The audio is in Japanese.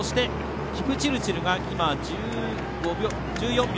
キプチルチルが、１４秒。